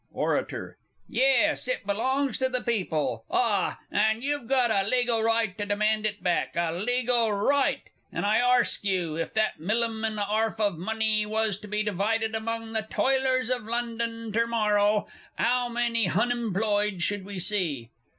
ORATOR. Yes, it belongs to the People ah! and you've a legal right to demand it back a legal right! And I arsk you if that millum and a 'arf of money was to be divided among the Toilers of London ter morrow 'ow many Hunemployed should we see?